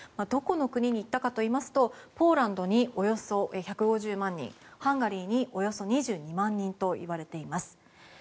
どこの国に行ったかといいますとポーランドにおよそ１５０万人ハンガリーにおよそ２２万人といわれています。